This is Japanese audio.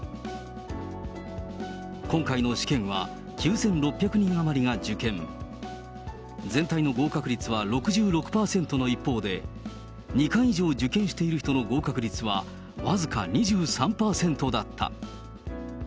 今回の試験は９６００人余りが受験、全体の合格率は６６％の一方で、２回以上受験している人の合格率は僅か２３％だった。